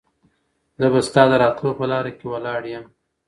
زه به ستا د راتلو په لاره کې ولاړ یم.